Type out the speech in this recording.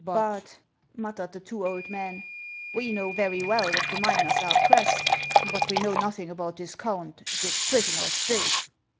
"But — but," muttered the two old men, "we know very well that the miners are oppressed, but we know nothing about this count, this prisoner of state."